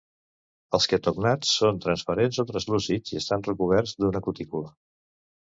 Els quetògnats són transparents o translúcids i estan recoberts d'una cutícula.